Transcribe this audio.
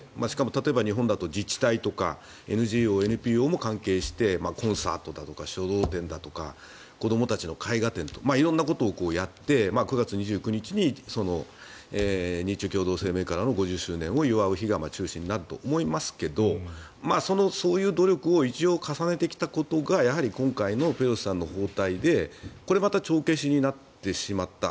例えば、日本だと自治体とかＮＧＯ、ＮＰＯも関係してコンサートとか書道展とか子どもたちの絵画展とか色々なことをやって９月２９日に日中共同声明からの５０周年を祝うものが中心になると思いますがそういう努力を一応重ねてきたことがやはり今回のペロシさんの訪台でこれまた帳消しになってしまった。